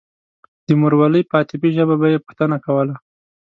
د مورولۍ په عاطفي ژبه به يې پوښتنه کوله.